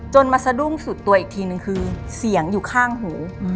มาสะดุ้งสุดตัวอีกทีนึงคือเสียงอยู่ข้างหู